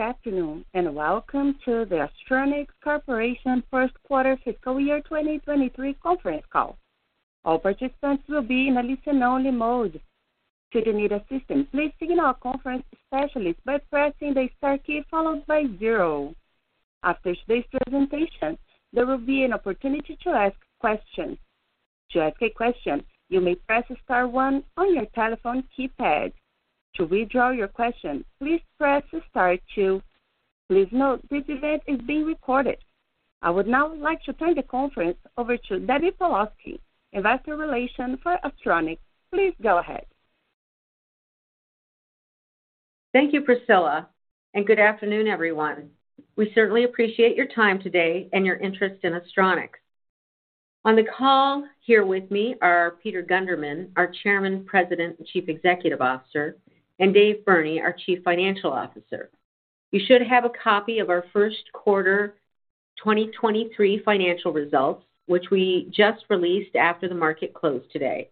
Good afternoon, welcome to the Astronics Corporation first quarter fiscal year 2023 conference call. All participants will be in a listen-only mode. Should you need assistance, please signal a conference specialist by pressing the star key followed by zero. After today's presentation, there will be an opportunity to ask questions. To ask a question, you may press star one on your telephone keypad. To withdraw your question, please press star two. Please note, this event is being recorded. I would now like to turn the conference over to Debbie Pawlowski, Investor Relations for Astronics. Please go ahead. Thank you, Priscilla. Good afternoon, everyone. We certainly appreciate your time today and your interest in Astronics. On the call here with me are Peter Gundermann, our Chairman, President, and Chief Executive Officer, and Dave Burney, our Chief Financial Officer. You should have a copy of our first quarter 2023 financial results, which we just released after the market closed today.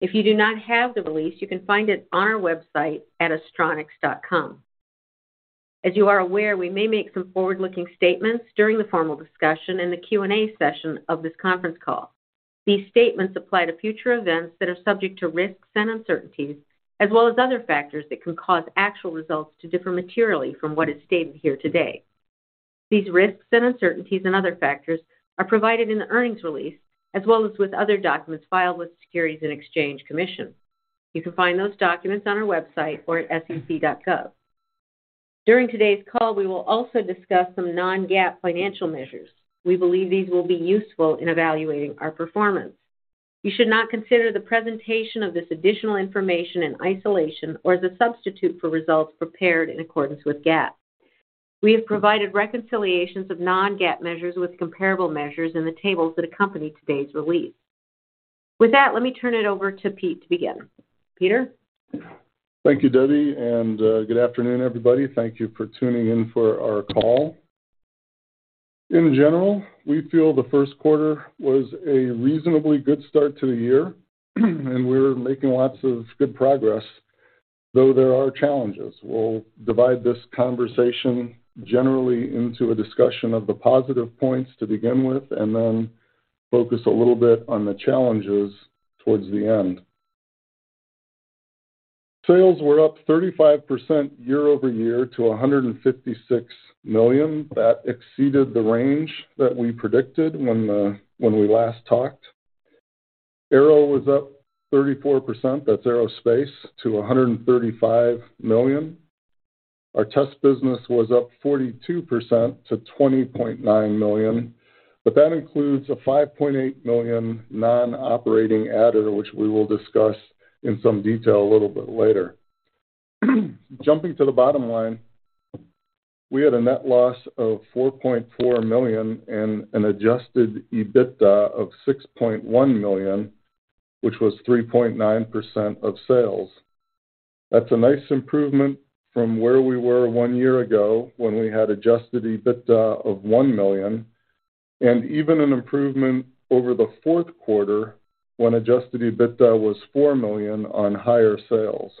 If you do not have the release, you can find it on our website at astronics.com. As you are aware, we may make some forward-looking statements during the formal discussion in the Q&A session of this conference call. These statements apply to future events that are subject to risks and uncertainties as well as other factors that can cause actual results to differ materially from what is stated here today. These risks and uncertainties and other factors are provided in the earnings release as well as with other documents filed with Securities and Exchange Commission. You can find those documents on our website or at sec.gov. During today's call, we will also discuss some non-GAAP financial measures. We believe these will be useful in evaluating our performance. You should not consider the presentation of this additional information in isolation or as a substitute for results prepared in accordance with GAAP. We have provided reconciliations of non-GAAP measures with comparable measures in the tables that accompany today's release. With that, let me turn it over to Peter to begin. Peter? Thank you, Debbie, good afternoon, everybody. Thank you for tuning in for our call. In general, we feel the first quarter was a reasonably good start to the year and we're making lots of good progress, though there are challenges. We'll divide this conversation generally into a discussion of the positive points to begin with, and then focus a little bit on the challenges towards the end. Sales were up 35% year-over-year to $156 million. That exceeded the range that we predicted when we last talked. Aero was up 34%, that's aerospace, to $135 million. Our test business was up 42% to $20.9 million, but that includes a $5.8 million non-operating adder, which we will discuss in some detail a little bit later. Jumping to the bottom line, we had a net loss of $4.4 million and an adjusted EBITDA of $6.1 million, which was 3.9% of sales. That's a nice improvement from where we were one year ago when we had adjusted EBITDA of $1 million, and even an improvement over the fourth quarter when adjusted EBITDA was $4 million on higher sales.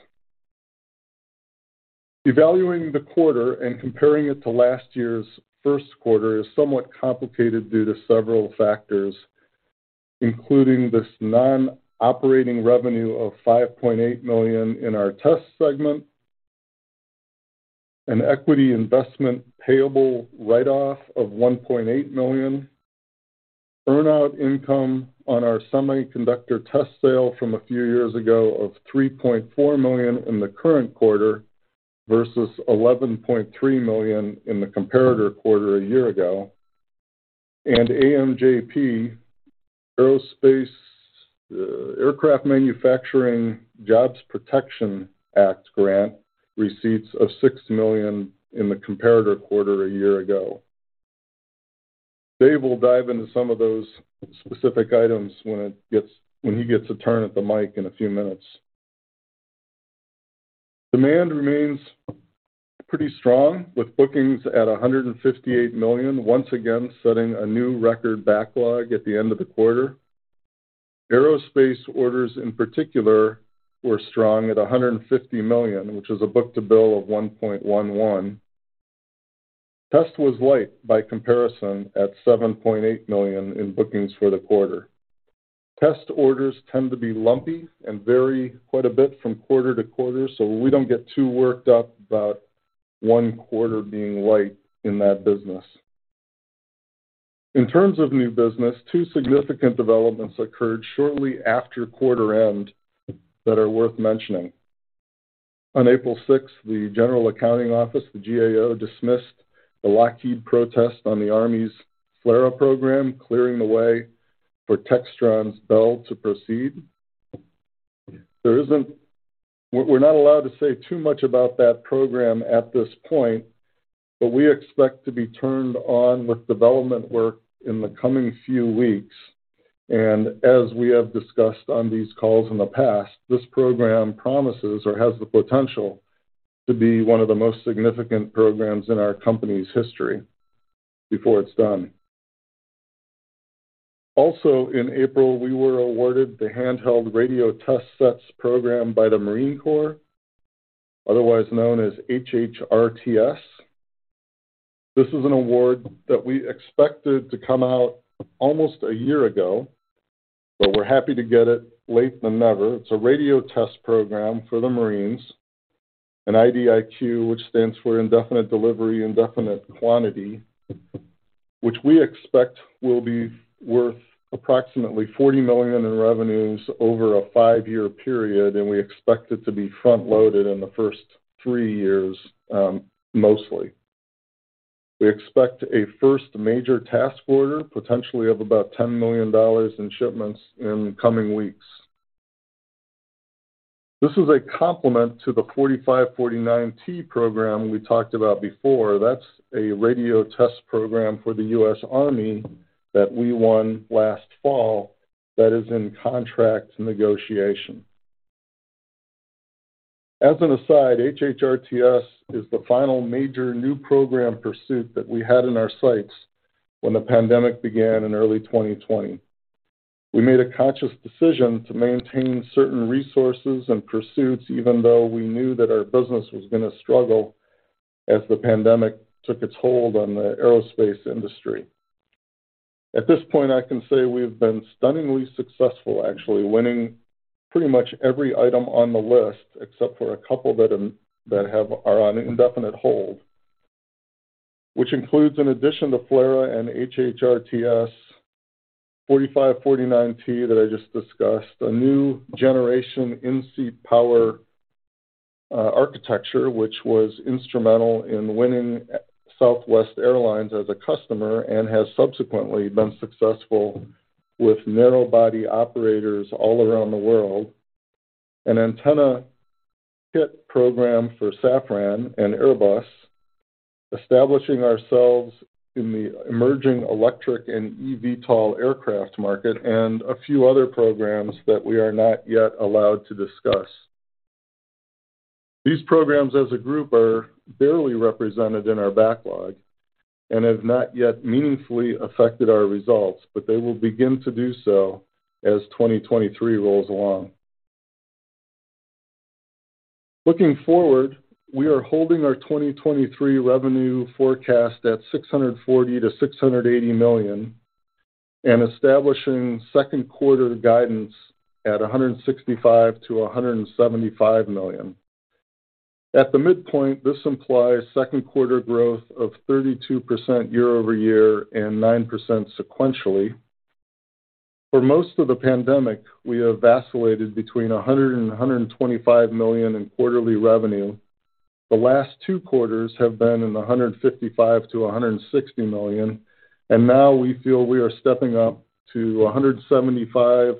Evaluating the quarter and comparing it to last year's first quarter is somewhat complicated due to several factors, including this non-operating revenue of $5.8 million in our test segment, an equity investment payable write-off of $1.8 million, earn-out income on our semiconductor test sale from a few years ago of $3.4 million in the current quarter versus $11.3 million in the comparator quarter a year ago. AMJP, Aerospace Aircraft Manufacturing Jobs Protection Act grant receipts of $6 million in the comparator quarter a year ago. Dave will dive into some of those specific items when he gets a turn at the mic in a few minutes. Demand remains pretty strong with bookings at $158 million, once again setting a new record backlog at the end of the quarter. Aerospace orders, in particular, were strong at $150 million, which is a book-to-bill of 1.11. Test was light by comparison at $7.8 million in bookings for the quarter. Test orders tend to be lumpy and vary quite a bit from quarter-to-quarter, so we don't get too worked up about one quarter being light in that business. In terms of new business, two significant developments occurred shortly after quarter end that are worth mentioning. On April 6th, the Government Accountability Office, the GAO, dismissed the Lockheed Martin protest on the Army's FLRAA program, clearing the way for Textron's Bell to proceed. We're not allowed to say too much about that program at this point, but we expect to be turned on with development work in the coming few weeks. As we have discussed on these calls in the past, this program promises or has the potential to be one of the most significant programs in our company's history before it's done. Also, in April, we were awarded the Handheld Radio Test Sets program by the Marine Corps, otherwise known as HHRTS. This is an award that we expected to come out almost a year ago, but we're happy to get it later than never. It's a radio test program for the Marines, an IDIQ, which stands for Indefinite Delivery, Indefinite Quantity, which we expect will be worth approximately $40 million in revenues over a five-year period. We expect it to be front-loaded in the first three years, mostly. We expect a first major task order potentially of about $10 million in shipments in coming weeks. This is a complement to the TS-4549/T program we talked about before. That's a radio test program for the U.S. Army that we won last fall that is in contract negotiation. As an aside, HHRTS is the final major new program pursuit that we had in our sights when the pandemic began in early 2020. We made a conscious decision to maintain certain resources and pursuits, even though we knew that our business was gonna struggle as the pandemic took its hold on the aerospace industry. At this point, I can say we've been stunningly successful, actually, winning pretty much every item on the list except for a couple that are on indefinite hold, which includes, in addition to FLRAA and HHRTS, TS-4549/T that I just discussed, a new generation in-seat power architecture, which was instrumental in winning Southwest Airlines as a customer and has subsequently been successful with narrow-body operators all around the world, an antenna kit program for Safran and Airbus, establishing ourselves in the emerging electric and eVTOL aircraft market, and a few other programs that we are not yet allowed to discuss. These programs, as a group, are barely represented in our backlog and have not yet meaningfully affected our results, but they will begin to do so as 2023 rolls along. Looking forward, we are holding our 2023 revenue forecast at $640 million-$680 million and establishing second quarter guidance at $165 million-$175 million. At the midpoint, this implies second quarter growth of 32% year-over-year and 9% sequentially. For most of the pandemic, we have vacillated between $100 million-$125 million in quarterly revenue. The last two quarters have been in $155 million-$160 million. Now we feel we are stepping up to $170 million,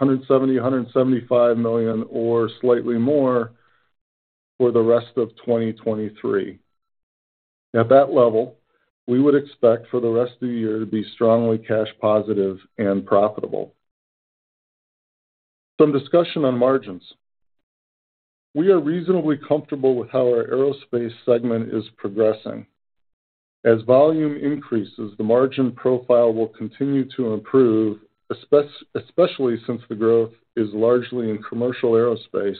$175 million or slightly more for the rest of 2023. At that level, we would expect for the rest of the year to be strongly cash positive and profitable. Some discussion on margins. We are reasonably comfortable with how our aerospace segment is progressing. As volume increases, the margin profile will continue to improve, especially since the growth is largely in commercial aerospace,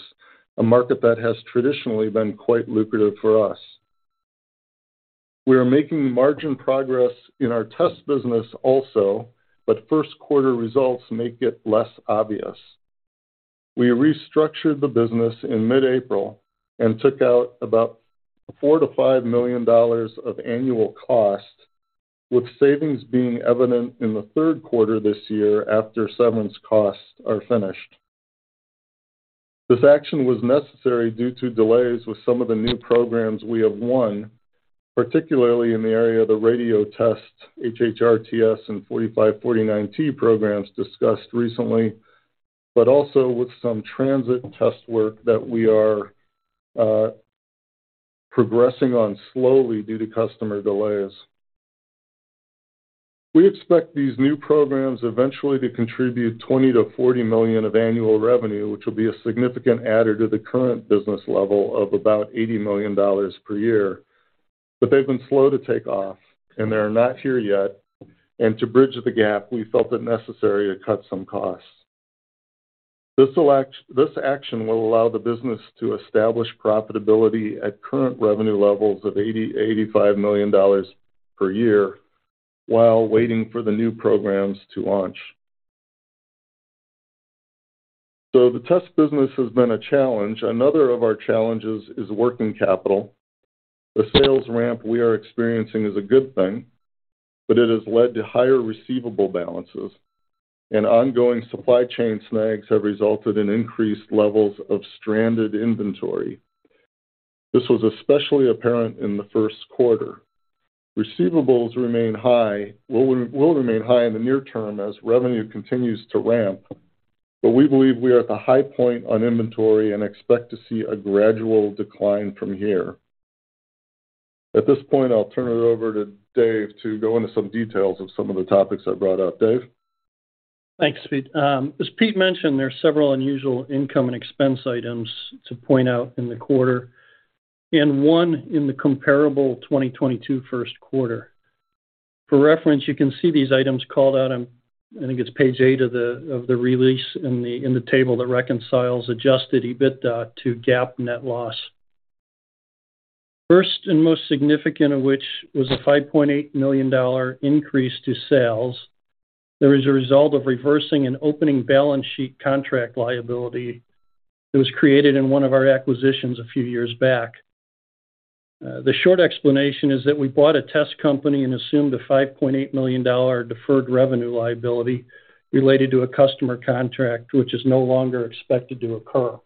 a market that has traditionally been quite lucrative for us. We are making margin progress in our test business also, but first quarter results make it less obvious. We restructured the business in mid-April and took out about $4 million-$5 million of annual cost, with savings being evident in the third quarter this year after severance costs are finished. This action was necessary due to delays with some of the new programs we have won, particularly in the area of the radio test HHRTS and TS-4549/T programs discussed recently, but also with some transit and test work that we are progressing on slowly due to customer delays. We expect these new programs eventually to contribute $20 million-$40 million of annual revenue, which will be a significant adder to the current business level of about $80 million per year. They've been slow to take off, and they are not here yet. To bridge the gap, we felt it necessary to cut some costs. This action will allow the business to establish profitability at current revenue levels of $80 million-$85 million per year while waiting for the new programs to launch. The test business has been a challenge. Another of our challenges is working capital. The sales ramp we are experiencing is a good thing, but it has led to higher receivable balances, and ongoing supply chain snags have resulted in increased levels of stranded inventory. This was especially apparent in the first quarter. Receivables remain high, will remain high in the near term as revenue continues to ramp, but we believe we are at the high point on inventory and expect to see a gradual decline from here. At this point, I'll turn it over to Dave to go into some details of some of the topics I brought up. Dave? Thanks, Pete. As Pete mentioned, there are several unusual income and expense items to point out in the quarter. One in the comparable 2022 first quarter. For reference, you can see these items called out on, I think it's page eight of the, of the release in the, in the table that reconciles adjusted EBITDA to GAAP net loss. First and most significant of which was a $5.8 million increase to sales that was a result of reversing an opening balance sheet contract liability that was created in one of our acquisitions a few years back. The short explanation is that we bought a test company and assumed a $5.8 million deferred revenue liability related to a customer contract, which is no longer expected to occur.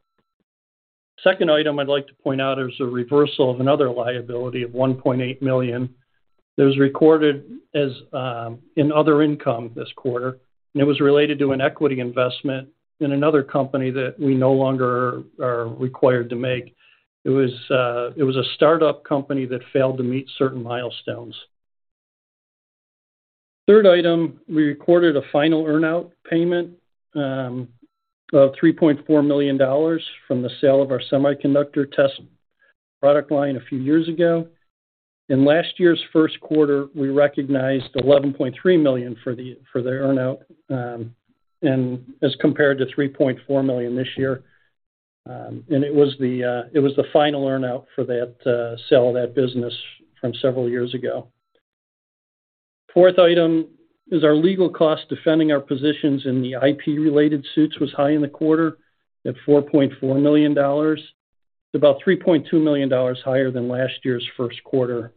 Second item I'd like to point out is a reversal of another liability of $1.8 million that was recorded as in other income this quarter, and it was related to an equity investment in another company that we no longer are required to make. It was a startup company that failed to meet certain milestones. Third item, we recorded a final earnout payment of $3.4 million from the sale of our semiconductor test product line a few years ago. In last year's first quarter, we recognized $11.3 million for the earnout, and as compared to $3.4 million this year. It was the final earnout for that sale of that business from several years ago. Fourth item is our legal costs defending our positions in the IP-related suits was high in the quarter at $4.4 million, about $3.2 million higher than last year's first quarter.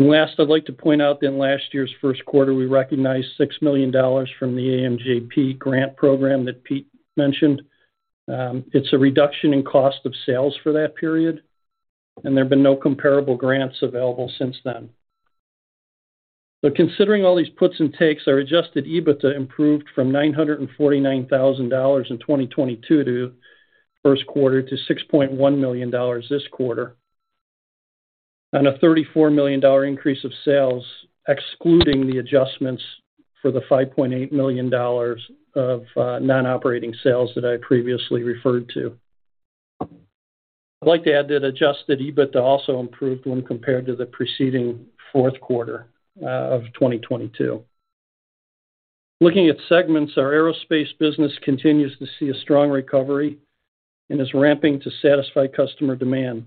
Last, I'd like to point out that in last year's first quarter, we recognized $6 million from the AMJP grant program that Pete mentioned. It's a reduction in cost of sales for that period, and there have been no comparable grants available since then. Considering all these puts and takes, our adjusted EBITDA improved from $949,000 in 2022 to first quarter to $6.1 million this quarter on a $34 million increase of sales, excluding the adjustments for the $5.8 million of non-operating sales that I previously referred to. I'd like to add that adjusted EBITDA also improved when compared to the preceding fourth quarter of 2022. Looking at segments, our aerospace business continues to see a strong recovery and is ramping to satisfy customer demand.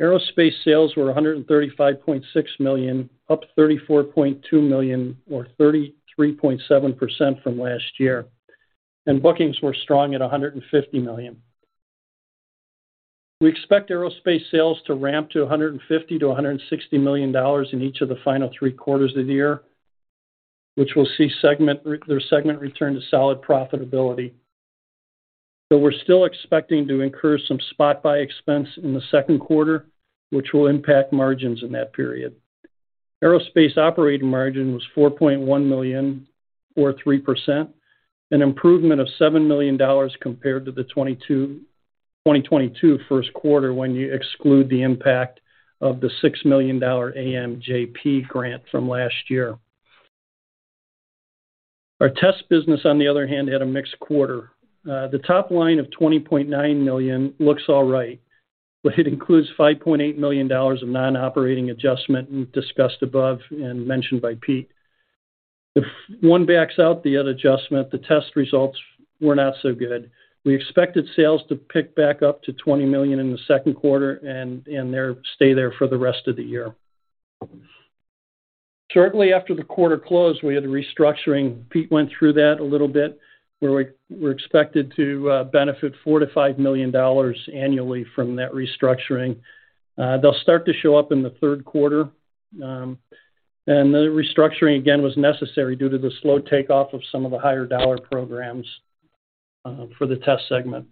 Aerospace sales were $135.6 million, up $34.2 million or 33.7% from last year. Bookings were strong at $150 million. We expect aerospace sales to ramp to $150 million-$160 million in each of the final three quarters of the year, which will see the segment return to solid profitability. We're still expecting to incur some spot buy expense in the second quarter, which will impact margins in that period. Aerospace operating margin was $4.1 million or 3%, an improvement of $7 million compared to the 2022 first quarter when you exclude the impact of the $6 million AMJP grant from last year. Our test business, on the other hand, had a mixed quarter. The top line of $20.9 million looks all right, it includes $5.8 million of non-operating adjustment we've discussed above and mentioned by Pete. If one backs out the net adjustment, the test results were not so good. We expected sales to pick back up to $20 million in the second quarter and they'll stay there for the rest of the year. Shortly after the quarter closed, we had a restructuring. Pete went through that a little bit, where we're expected to benefit $4 million-$5 million annually from that restructuring. They'll start to show up in the third quarter. The restructuring again was necessary due to the slow takeoff of some of the higher dollar programs for the test segment.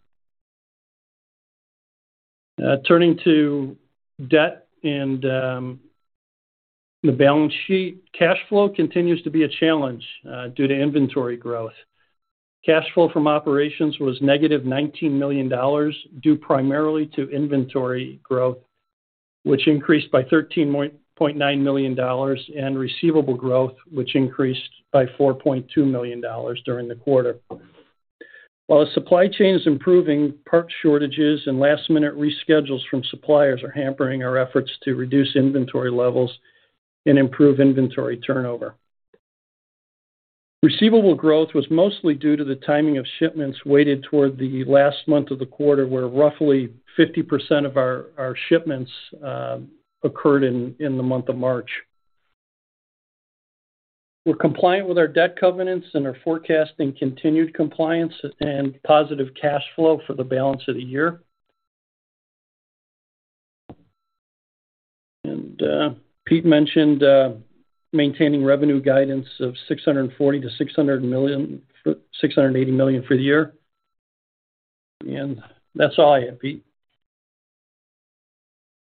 Turning to debt and the balance sheet. Cash flow continues to be a challenge due to inventory growth. Cash flow from operations was -$19 million, due primarily to inventory growth, which increased by $13.9 million, and receivable growth, which increased by $4.2 million during the quarter. While the supply chain is improving, part shortages and last-minute reschedules from suppliers are hampering our efforts to reduce inventory levels and improve inventory turnover. Receivable growth was mostly due to the timing of shipments weighted toward the last month of the quarter, where roughly 50% of our shipments occurred in the month of March. We're compliant with our debt covenants and are forecasting continued compliance and positive cash flow for the balance of the year. Pete mentioned, maintaining revenue guidance of $640 million-$680 million for the year. That's all I have, Pete.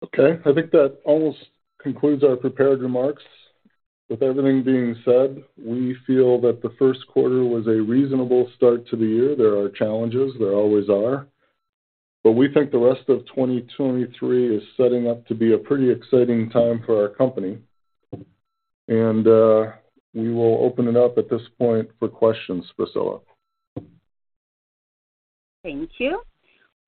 Okay. I think that almost concludes our prepared remarks. With everything being said, we feel that the first quarter was a reasonable start to the year. There are challenges, there always are, but we think the rest of 2023 is setting up to be a pretty exciting time for our company. We will open it up at this point for questions, Priscilla. Thank you.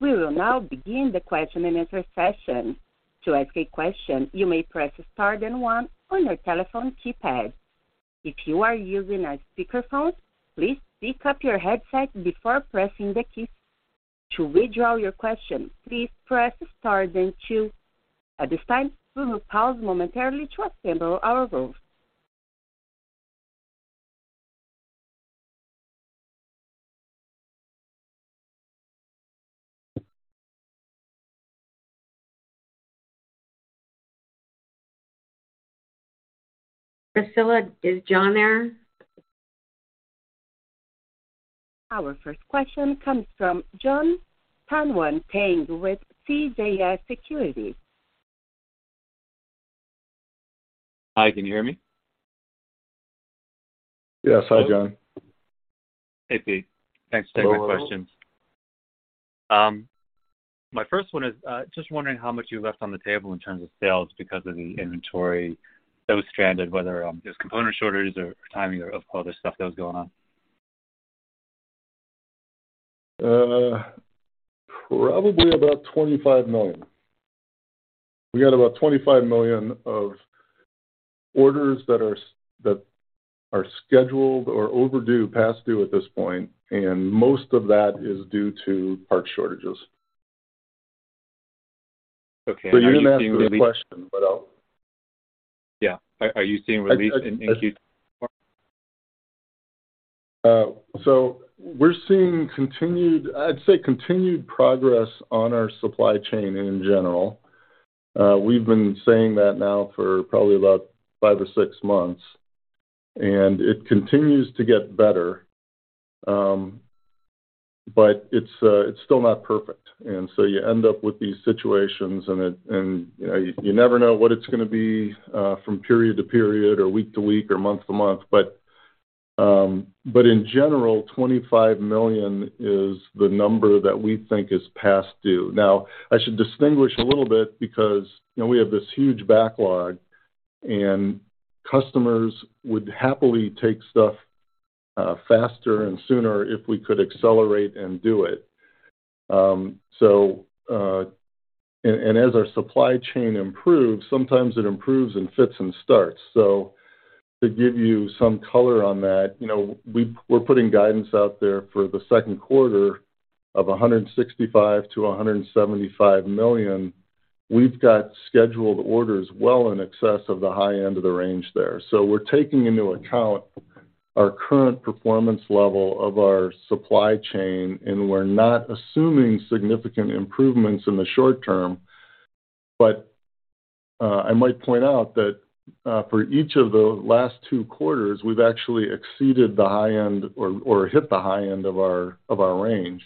We will now begin the question-and-answer session. To ask a question, you may press star then one on your telephone keypad. If you are using a speakerphone, please pick up your headset before pressing the keys. To withdraw your question, please press star then two. At this time, we will pause momentarily to assemble our roster. Priscilla, is Jon there? Our first question comes from Jon Tanwanteng with CJS Securities. Hi, can you hear me? Yes. Hi, Jon. Hey, Pete. Thanks for taking my questions. My first one is, just wondering how much you left on the table in terms of sales because of the inventory that was stranded, whether it was component shortages or timing of other stuff that was going on. Probably about $25 million. We got about $25 million of orders that are scheduled or overdue, past due at this point, and most of that is due to part shortages. Okay. Are you seeing relief? You didn't ask a complete question, but I'll. Yeah. Are you seeing relief in Q4? We're seeing continued, I'd say, continued progress on our supply chain in general. We've been saying that now for probably about five or six months, and it continues to get better. It's still not perfect. You end up with these situations, and it... and, you know, you never know what it's gonna be, from period to period or week to week or month to month. In general, $25 million is the number that we think is past due. Now, I should distinguish a little bit because, you know, we have this huge backlog, and customers would happily take stuff, faster and sooner if we could accelerate and do it. As our supply chain improves, sometimes it improves in fits and starts. To give you some color on that, you know, we're putting guidance out there for the second quarter of $165 million-$175 million. We've got scheduled orders well in excess of the high end of the range there. We're taking into account our current performance level of our supply chain, and we're not assuming significant improvements in the short term. I might point out that, for each of the last two quarters, we've actually exceeded the high end or hit the high end of our range.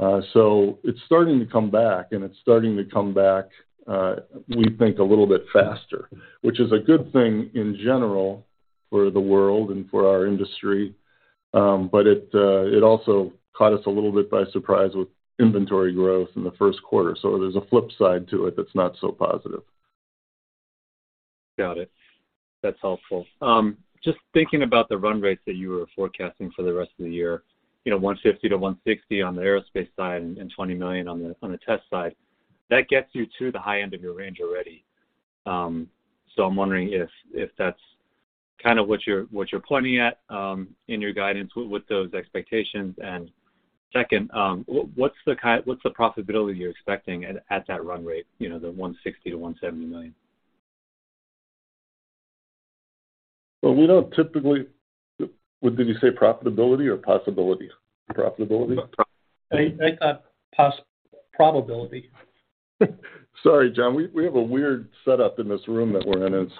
It's starting to come back, and it's starting to come back, we think a little bit faster, which is a good thing in general for the world and for our industry. It also caught us a little bit by surprise with inventory growth in the first quarter. There's a flip side to it that's not so positive. Got it. That's helpful. Just thinking about the run rates that you were forecasting for the rest of the year, you know, $150 million-$160 million on the aerospace side and $20 million on the test side, that gets you to the high end of your range already. I'm wondering if that's kind of what you're pointing at in your guidance with those expectations. Second, what's the profitability you're expecting at that run rate? You know, the $160 million-$170 million. Did you say profitability or possibility? Profitability? I thought probability. Sorry, Jon. We have a weird setup in this room that we're in. It's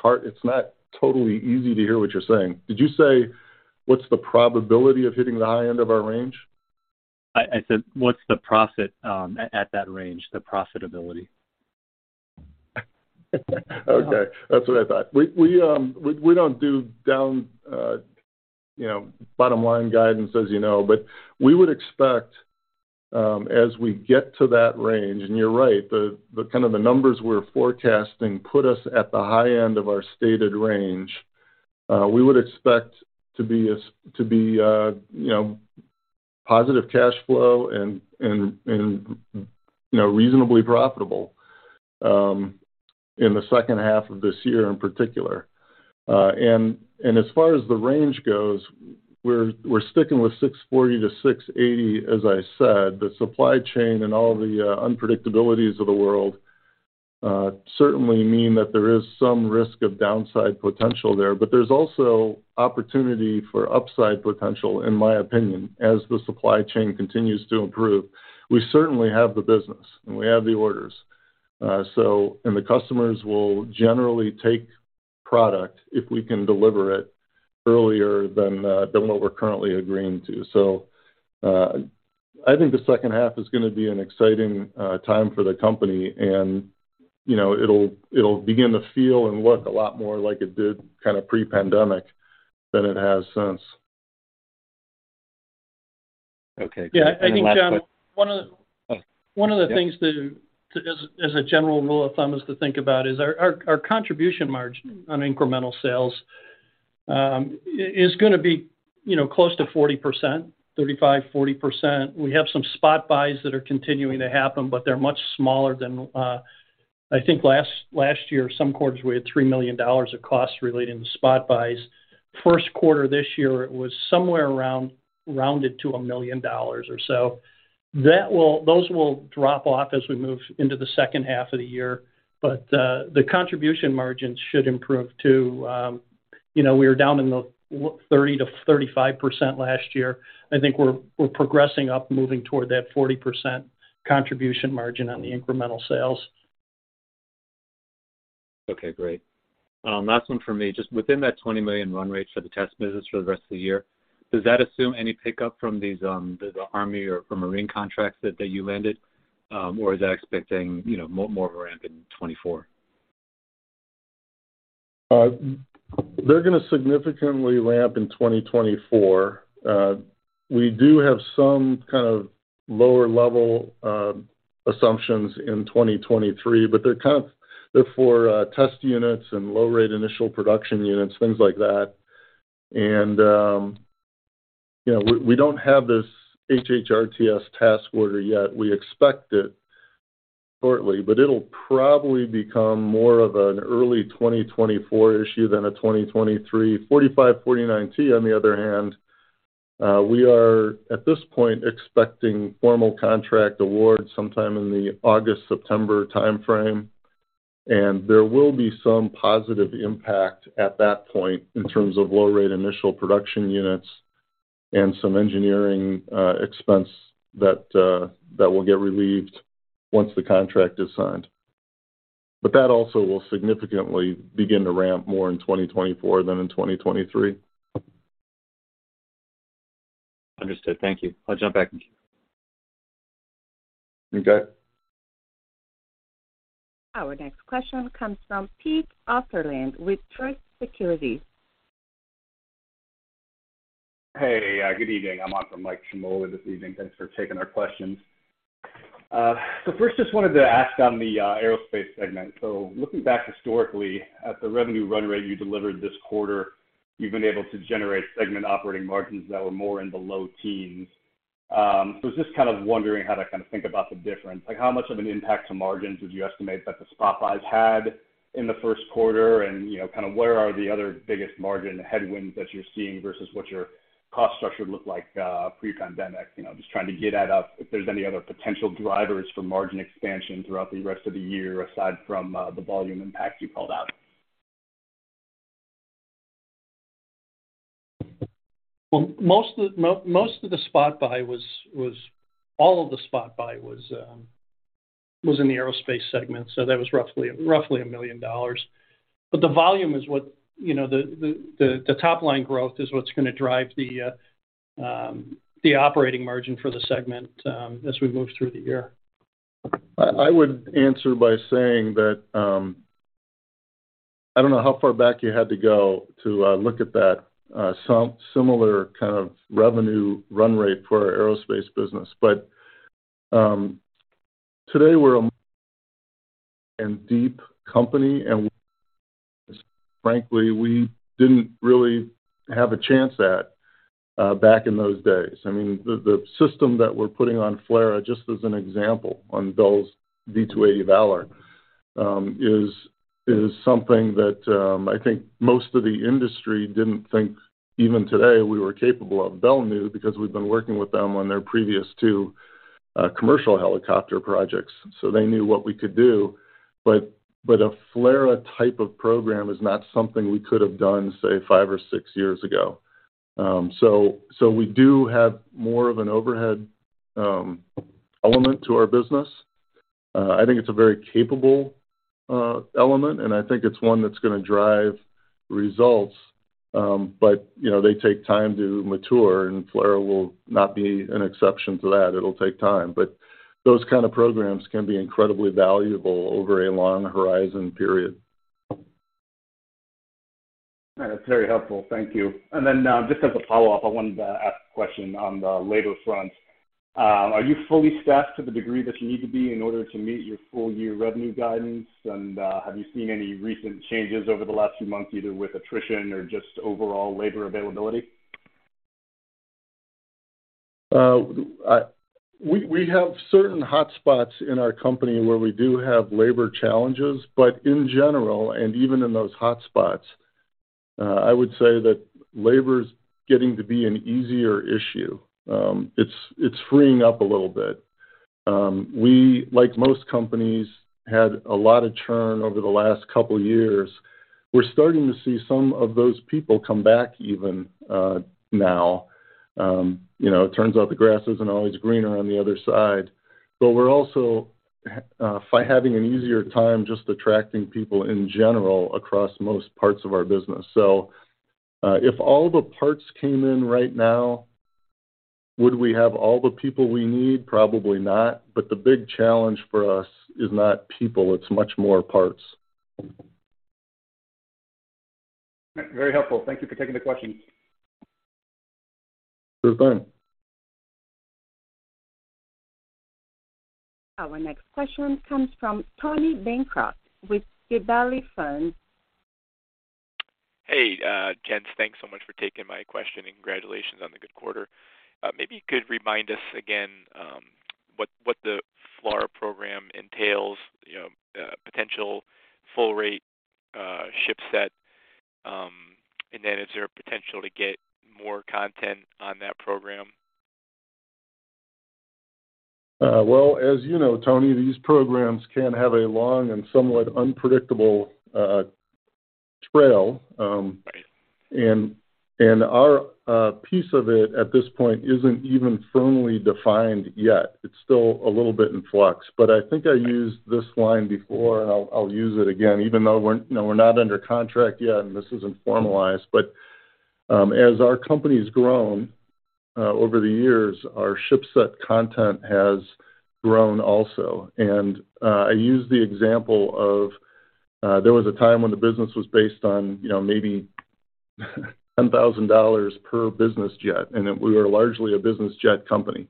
not totally easy to hear what you're saying. Did you say what's the probability of hitting the high end of our range? I said, what's the profit at that range? The profitability. Okay. That's what I thought. We don't do down, you know, bottom line guidance, as you know. We would expect, as we get to that range, and you're right, the kind of the numbers we're forecasting put us at the high end of our stated range, we would expect to be, you know, positive cash flow and, you know, reasonably profitable, in the second half of this year in particular. As far as the range goes, we're sticking with $640 million-$680 million, as I said. The supply chain and all the unpredictabilities of the world certainly mean that there is some risk of downside potential there. There's also opportunity for upside potential, in my opinion, as the supply chain continues to improve. We certainly have the business, and we have the orders. The customers will generally take product if we can deliver it earlier than what we're currently agreeing to. I think the second half is gonna be an exciting time for the company, and, you know, it'll begin to feel and look a lot more like it did kinda pre-pandemic than it has since. Okay. Yeah, I think, Jon, one of the- Oh. One of the things as a general rule of thumb is to think about is our contribution margin on incremental sales is gonna be, you know, close to 40%, 35%-40%. We have some spot buys that are continuing to happen, but they're much smaller than. I think last year, some quarters we had $3 million of costs relating to spot buys. First quarter this year, it was somewhere around, rounded to $1 million or so. Those will drop off as we move into the second half of the year. The contribution margins should improve to, you know, we were down in the 30%-35% last year. I think we're progressing up, moving toward that 40% contribution margin on the incremental sales. Okay, great. Last one from me. Just within that $20 million run rate for the test business for the rest of the year, does that assume any pickup from these, the Army or from Marine contracts that you landed, or is that expecting, you know, more, more of a ramp in 2024? They're gonna significantly ramp in 2024. We do have some lower-level assumptions in 2023, but they're for test units and low-rate initial production units, things like that. You know, we don't have this HHRTS task order yet. We expect it shortly, but it'll probably become more of an early 2024 issue than a 2023. TS-4549/T, on the other hand, we are, at this point, expecting formal contract award sometime in the August-September timeframe, and there will be some positive impact at that point in terms of low-rate initial production units and some engineering expense that will get relieved once the contract is signed. That also will significantly begin to ramp more in 2024 than in 2023. Understood. Thank you. I'll jump back in queue. Okay. Our next question comes from Pete Osterland with Truist Securities. Hey, good evening. I'm on for Mike Ciarmoli this evening. Thanks for taking our questions. First, just wanted to ask on the aerospace segment. Looking back historically at the revenue run rate you delivered this quarter, you've been able to generate segment operating margins that were more in the low teens. I was just kind of wondering how to kind of think about the difference. Like, how much of an impact to margins would you estimate that the spot buys had in the first quarter? You know, kind of where are the other biggest margin headwinds that you're seeing versus what your cost structure looked like pre-pandemic? You know, just trying to get at if there's any other potential drivers for margin expansion throughout the rest of the year aside from the volume impact you called out. All of the spot buy was in the aerospace segment, so that was roughly $1 million. You know, the top line growth is what's gonna drive the operating margin for the segment as we move through the year. I would answer by saying that, I don't know how far back you had to go to look at that similar kind of revenue run rate for our aerospace business. Today we're a and deep company, and frankly, we didn't really have a chance at back in those days. I mean, the system that we're putting on FLRAA, just as an example, on Bell's V-280 Valor, is something that I think most of the industry didn't think even today we were capable of. Bell knew because we've been working with them on their previous two commercial helicopter projects, they knew what we could do. a FLRAA type of program is not something we could have done, say, five or six years ago. We do have more of an overhead element to our business. I think it's a very capable element, and I think it's one that's gonna drive results. You know, they take time to mature, and FLRAA will not be an exception to that. It'll take time. Those kind of programs can be incredibly valuable over a long horizon period. That's very helpful. Thank you. Then, just as a follow-up, I wanted to ask a question on the labor front. Are you fully staffed to the degree that you need to be in order to meet your full year revenue guidance? Have you seen any recent changes over the last few months, either with attrition or just overall labor availability? We have certain hotspots in our company where we do have labor challenges. In general, and even in those hotspots, I would say that labor is getting to be an easier issue. It's freeing up a little bit. We, like most companies, had a lot of churn over the last couple years. We're starting to see some of those people come back even now. You know, it turns out the grass isn't always greener on the other side. We're also having an easier time just attracting people in general across most parts of our business. If all the parts came in right now, would we have all the people we need? Probably not. The big challenge for us is not people, it's much more parts. Very helpful. Thank you for taking the question. Sure thing. Our next question comes from Tony Bancroft with Gabelli Funds. Hey, gents. Thanks so much for taking my question, and congratulations on the good quarter. Maybe you could remind us again, what the FLRAA program entails, you know, potential full rate, ship set. Then is there a potential to get more content on that program? Well, as you know, Tony, these programs can have a long and somewhat unpredictable trail. Right. Our piece of it at this point isn't even firmly defined yet. It's still a little bit in flux. I think I used this line before, and I'll use it again, even though we're, you know, we're not under contract yet, and this isn't formalized. As our company's grown over the years, our ship set content has grown also. I use the example of there was a time when the business was based on, you know, maybe $10,000 per business jet, and we were largely a business jet company.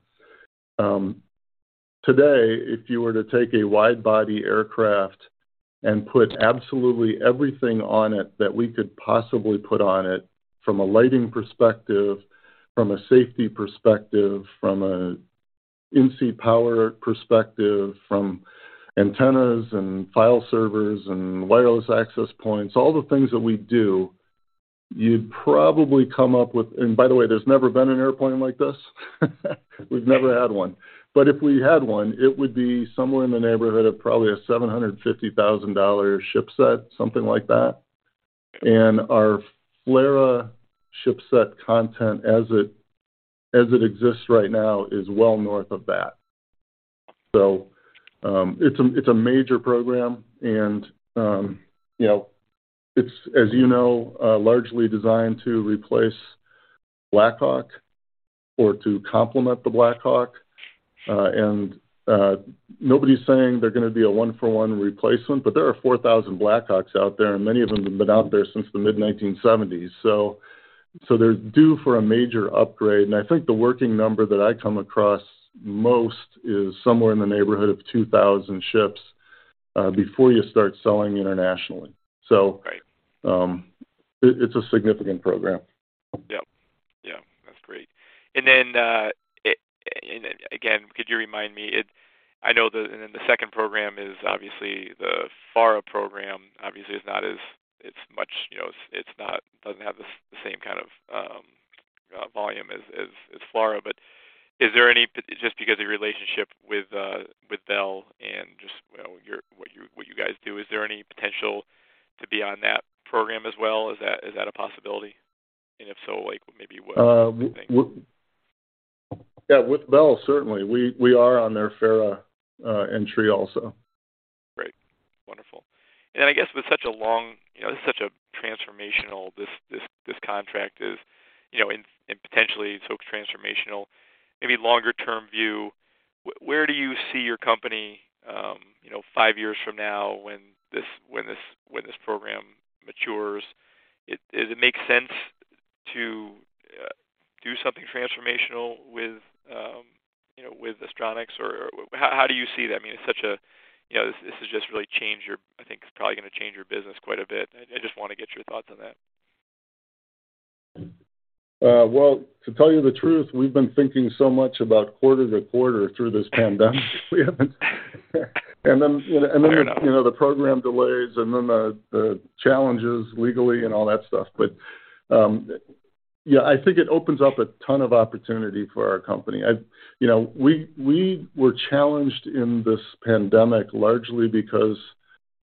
Today, if you were to take a wide-body aircraft and put absolutely everything on it that we could possibly put on it from a lighting perspective, from a safety perspective, from a in-seat power perspective, from antennas and file servers and wireless access points, all the things that we do, you'd probably come up with. By the way, there's never been an airplane like this. We've never had one. If we had one, it would be somewhere in the neighborhood of probably a $750,000 ship set, something like that. Our FLRAA ship set content as it exists right now is well north of that. It's a major program and, you know, it's, as you know, largely designed to replace Black Hawk or to complement the Black Hawk. Nobody's saying they're gonna be a one-for-one replacement, but there are 4,000 Black Hawks out there, and many of them have been out there since the mid-1970s. They're due for a major upgrade. I think the working number that I come across most is somewhere in the neighborhood of 2,000 ships, before you start selling internationally. Right. It's a significant program. Yeah. Yeah. That's great. Again, could you remind me? The second program is obviously the FARA program, obviously is not as, it's much, you know, it's not, doesn't have the same kind of volume as FLRAA. Just because your relationship with Bell and just, well, what you guys do, is there any potential to be on that program as well? Is that a possibility? If so, like, maybe what do you think? Yeah. With Bell, certainly. We are on their FARA entry also. Great. Wonderful. I guess with such a long, you know, such a transformational, this contract is, you know, and potentially so transformational, maybe longer term view, where do you see your company, you know, five years from now when this program matures? Is it make sense to do something transformational with, you know, with Astronics or how do you see that? I mean, it's such a, you know, this has just really changed your, I think it's probably gonna change your business quite a bit. I just wanna get your thoughts on that. Well, to tell you the truth, we've been thinking so much about quarter to quarter through this pandemic. We haven't... Fair enough.... you know, the program delays and then the challenges legally and all that stuff. Yeah, I think it opens up a ton of opportunity for our company. You know, we were challenged in this pandemic largely because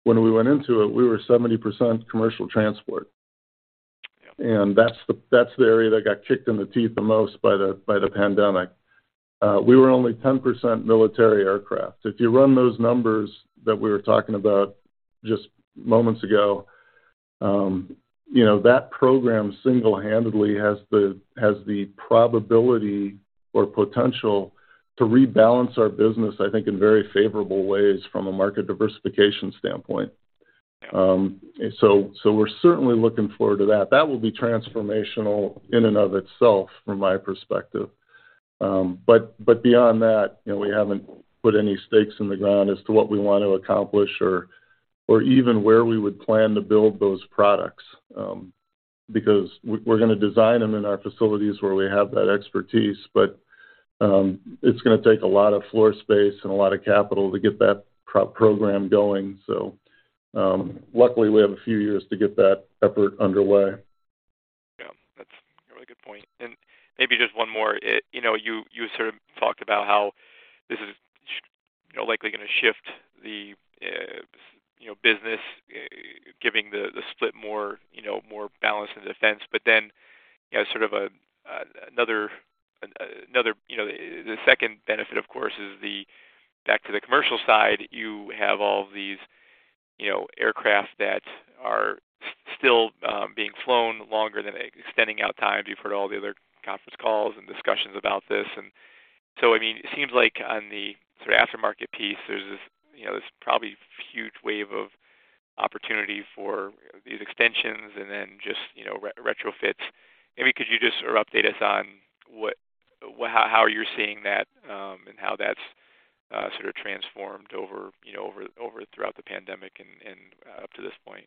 when we went into it, we were 70% commercial transport. Yeah. That's the area that got kicked in the teeth the most by the pandemic. We were only 10% military aircraft. If you run those numbers that we were talking about just moments ago, you know, that program single-handedly has the probability or potential to rebalance our business, I think, in very favorable ways from a market diversification standpoint. So, we're certainly looking forward to that. That will be transformational in and of itself from my perspective. Beyond that, you know, we haven't put any stakes in the ground as to what we want to accomplish or even where we would plan to build those products. We're gonna design them in our facilities where we have that expertise, but it's gonna take a lot of floor space and a lot of capital to get that program going. Luckily, we have a few years to get that effort underway. Yeah. That's a really good point. Maybe just one more. You know, you sort of talked about how this is, you know, likely gonna shift the, you know, business, giving the split more, you know, more balance in defense. You know, sort of a, another, you know, the second benefit, of course, is the back to the commercial side. You have all these, you know, aircraft that are still being flown longer than extending out times. You've heard all the other conference calls and discussions about this. I mean, it seems like on the sort of aftermarket piece, there's this, you know, this probably huge wave of opportunity for these extensions and then just, you know, retrofits. Maybe could you just sort of update us on what... how you're seeing that, and how that's sort of transformed over, you know, throughout the pandemic and up to this point?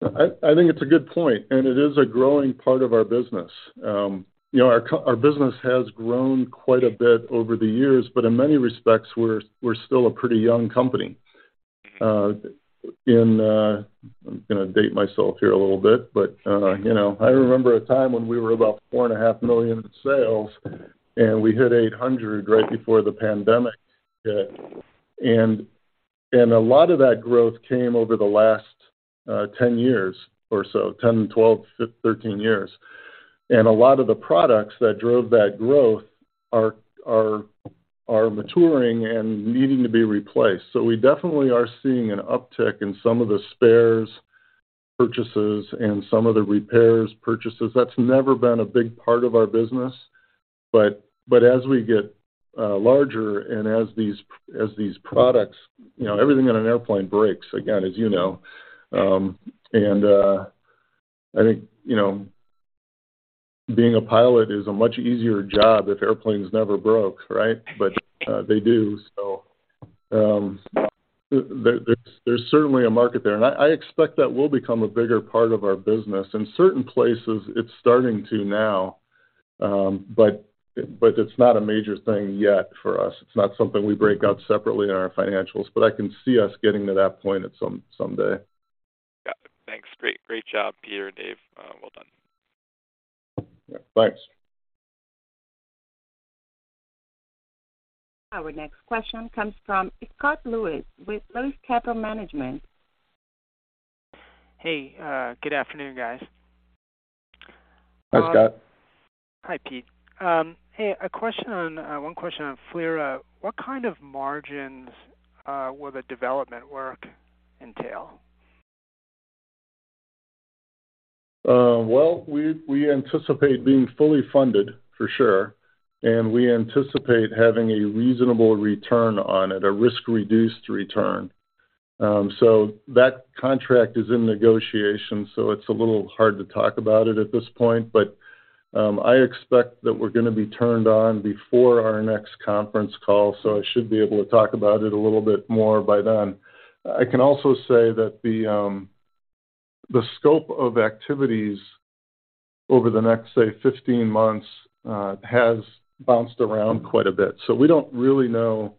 I think it's a good point. It is a growing part of our business. You know, our business has grown quite a bit over the years. In many respects, we're still a pretty young company. I'm gonna date myself here a little bit. You know, I remember a time when we were about four and a half million dollars in sales. We hit $800 million right before the pandemic hit. A lot of that growth came over the last 10 years or so, 10, 12, 13 years. A lot of the products that drove that growth are maturing and needing to be replaced. We definitely are seeing an uptick in some of the spares purchases and some of the repairs purchases. That's never been a big part of our business, but as we get larger and as these products, you know, everything on an airplane breaks, again, as you know. I think, you know, being a pilot is a much easier job if airplanes never broke, right? They do. There's certainly a market there. I expect that will become a bigger part of our business. In certain places, it's starting to now. But it's not a major thing yet for us. It's not something we break out separately in our financials, but I can see us getting to that point someday. Got it. Thanks. Great job, Pete or Dave. Well done. Yeah, thanks. Our next question comes from Scott Lewis with Lewis Capital Management. Hey, good afternoon, guys. Hi, Scott. Hi, Pete. Hey, one question on FLRAA. What kind of margins will the development work entail? Well, we anticipate being fully funded for sure, and we anticipate having a reasonable return on it, a risk-reduced return. That contract is in negotiation, so it's a little hard to talk about it at this point. I expect that we're gonna be turned on before our next conference call, so I should be able to talk about it a little bit more by then. I can also say that the scope of activities over the next, say, 15 months has bounced around quite a bit. We don't really know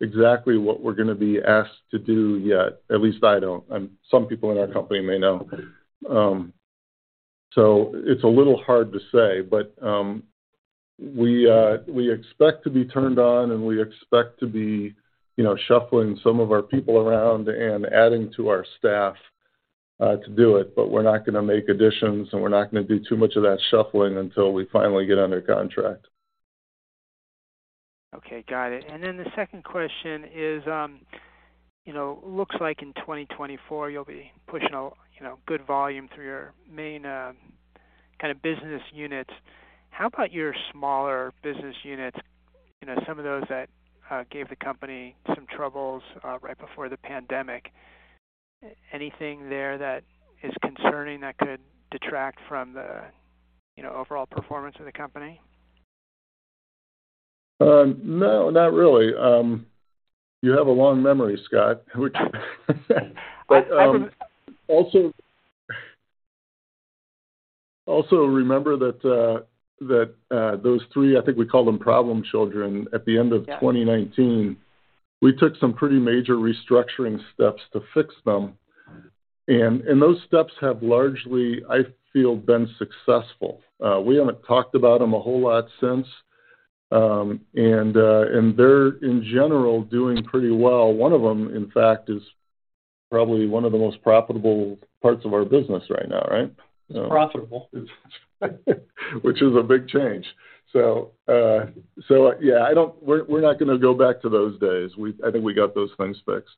exactly what we're gonna be asked to do yet, at least I don't. Some people in our company may know. It's a little hard to say. We expect to be turned on, and we expect to be, you know, shuffling some of our people around and adding to our staff to do it. We're not gonna make additions, and we're not gonna do too much of that shuffling until we finally get under contract. Okay, got it. The second question is, you know, looks like in 2024 you'll be pushing a, you know, good volume through your main kind of business units. How about your smaller business units, you know, some of those that gave the company some troubles right before the pandemic? Anything there that is concerning that could detract from the, you know, overall performance of the company? No, not really. You have a long memory, Scott. I do. Also remember that those three, I think we call them problem children, at the end of 2019. Yeah. We took some pretty major restructuring steps to fix them. Those steps have largely, I feel, been successful. We haven't talked about them a whole lot since. They're in general doing pretty well. One of them, in fact, is probably one of the most profitable parts of our business right now, right? You know? It's profitable. Which is a big change. Yeah, we're not gonna go back to those days. I think we got those things fixed.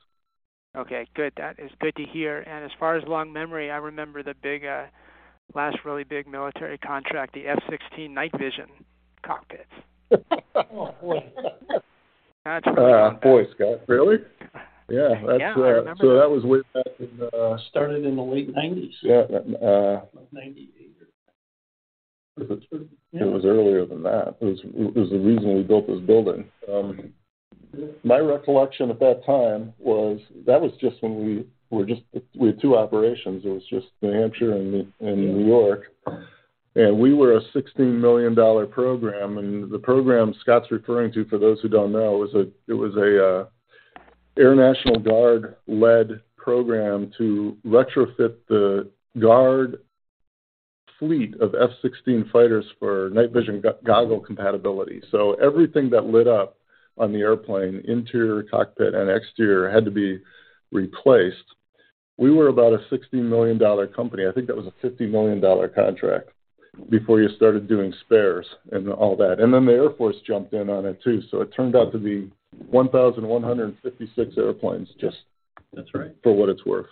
Okay, good. That is good to hear. As far as long memory, I remember the big last really big military contract, the F-16 night vision cockpits. Oh, boy. God. Oh, boy, Scott. Really? Yeah, that's. Yeah, I remember that. That was way back in. Started in the late 90s. Yeah. Like 1998 or- It was earlier than that. It was, it was the reason we built this building. My recollection at that time was that was just when we were. We had two operations. It was just New Hampshire and New York. We were a $16 million program, and the program Scott's referring to, for those who don't know, it was a Air National Guard-led program to retrofit the Guard fleet of F-16 fighters for night vision goggle compatibility. Everything that lit up on the airplane, interior, cockpit, and exterior, had to be replaced. We were about a $16 million company. I think that was a $50 million contract before you started doing spares and all that. The Air Force jumped in on it too. It turned out to be 1,156 airplanes- That's right. for what it's worth.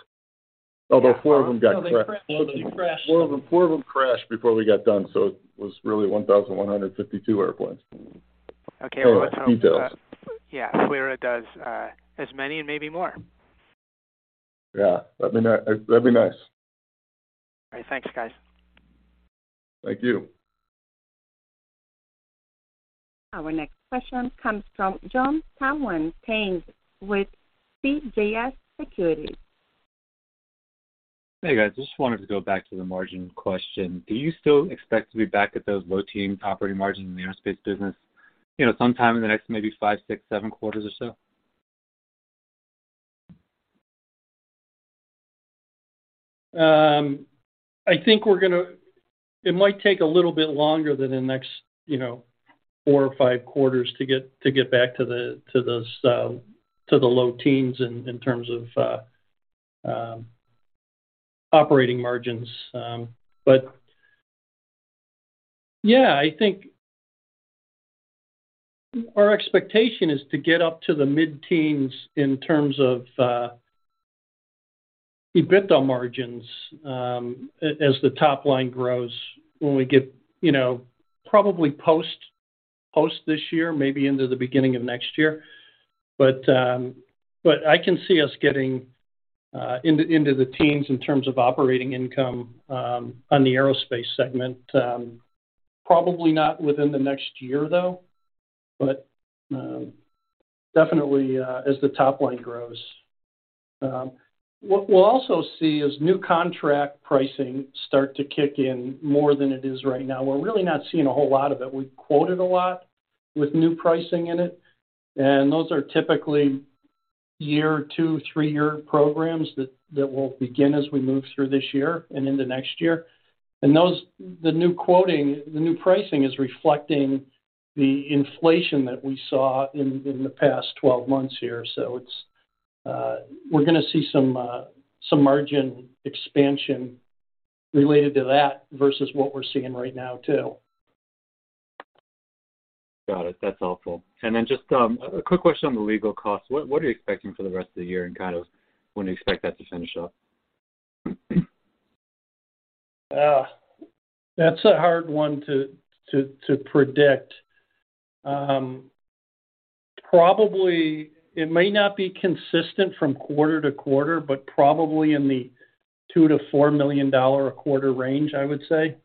Although four of them got crashed. Four of them crashed. Four of them crashed before we got done, it was really 1,152 airplanes. Okay. Yeah. FLRAA does as many and maybe more. Yeah. That'd be nice. All right. Thanks, guys. Thank you. Our next question comes from Jon Tanwanteng with CJS Securities. Hey, guys. Just wanted to go back to the margin question. Do you still expect to be back at those low-teen operating margins in the aerospace business, you know, sometime in the next maybe five, six, seven quarters or so? I think It might take a little bit longer than the next, you know, four o rfive quarters to get back to the to those to the low teens in terms of operating margins. Yeah, I think our expectation is to get up to the mid-teens in terms of EBITDA margins as the top line grows when we get, you know, probably post this year, maybe into the beginning of next year. I can see us getting into the teens in terms of operating income on the aerospace segment. Probably not within the next year, though, but definitely as the top line grows. What we'll also see is new contract pricing start to kick in more than it is right now. We're really not seeing a whole lot of it. We've quoted a lot with new pricing in it, those are typically year, two, three-year programs that will begin as we move through this year and into next year. The new pricing is reflecting the inflation that we saw in the past 12 months here. It's, we're gonna see some margin expansion related to that versus what we're seeing right now too. Got it. That's helpful. Just, a quick question on the legal costs. What are you expecting for the rest of the year and kind of when do you expect that to finish up? That's a hard one to predict. Probably it may not be consistent from quarter to quarter, but probably in the $2 million-$4 million a quarter range, I would say.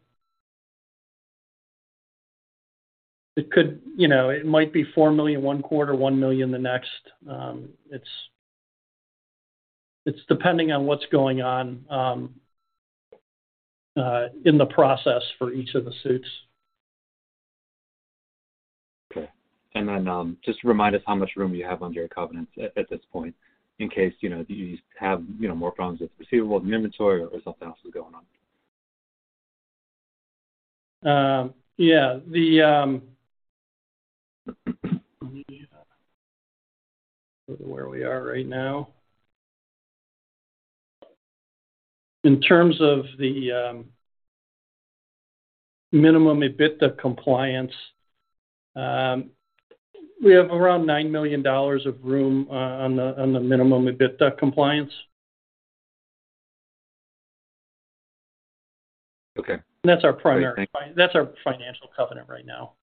You know, it might be $4 million one quarter, $1 million the next. It's depending on what's going on in the process for each of the suits. Okay. Just remind us how much room you have under your covenants at this point in case, you know, you have more problems with receivables and inventory or something else is going on? Yeah. The, let me see where we are right now. In terms of the minimum EBITDA compliance, we have around $9 million of room, on the minimum EBITDA compliance. Okay. That's our primary. Great. Thank you. That's our financial covenant right now.